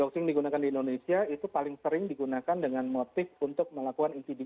doxing digunakan di indonesia itu paling sering digunakan dengan motif untuk melakukan intimidasi